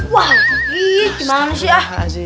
wah gimana sih ya